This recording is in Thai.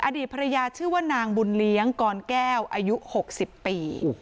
อดีตภรรยาชื่อว่านางบุญเลี้ยงกรแก้วอายุ๖๐ปี